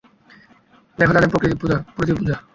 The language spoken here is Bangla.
দেখো তাদের প্রকৃতির প্রতি পূজা?